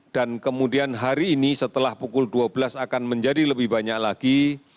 dan kemudian hari ini setelah pukul dua belas wib akan menjadi lebih banyak lagi